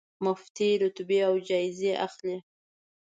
مفتې رتبې او جایزې اخلي.